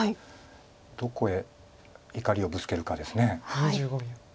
どこへ怒りをぶつけるかです。